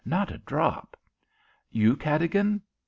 "Not a drop." "You, Cadogan?"